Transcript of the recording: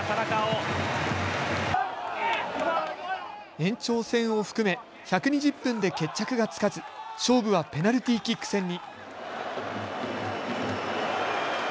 延長戦を含め１２０分で決着がつかず勝負はペナルティーキック戦に。